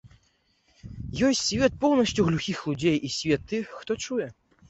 Ёсць свет поўнасцю глухіх людзей і свет тых, хто чуе.